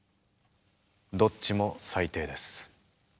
どっちも最低です。